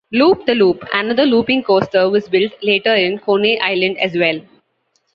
Loop the Loop, another looping coaster, was built later in Coney Island as well.